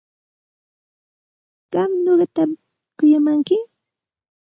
¿Qam nuqata kuyamanki?